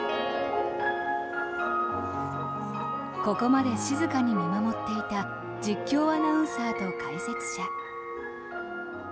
ここまで静かに見守っていた実況アナウンサーと解説者。